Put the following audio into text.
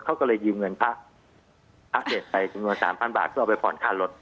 เขาก็เลยยืมเงินพระพระเด็ดไปจำนวนสามพันบาทเพื่อเอาไปผ่อนค่ารถ